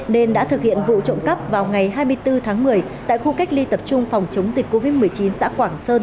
nên đã thực hiện vụ trộm cắp vào ngày hai mươi bốn tháng một mươi tại khu cách ly tập trung phòng chống dịch covid một mươi chín xã quảng sơn